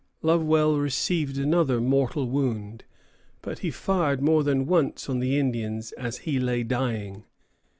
Lovewell received another mortal wound; but he fired more than once on the Indians as he lay dying.